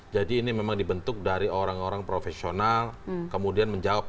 jadi ini memang dibentuk dari orang orang profesional kemudian menjawab